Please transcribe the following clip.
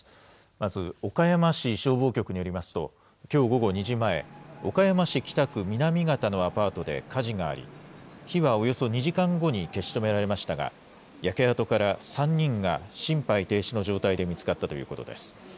まず岡山市消防局によりますと、きょう午後２時前、岡山市北区南方のアパートで火事があり、日はおよそ２時間後に消し止められましたが、焼け跡から３人が心肺停止の状態で見つかったということです。